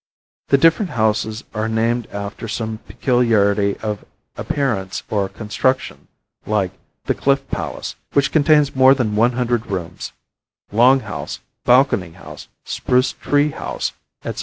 The different houses are named after some peculiarity of appearance or construction, like the Cliff Palace, which contains more than one hundred rooms, Long House, Balcony House, Spruce Tree House, etc.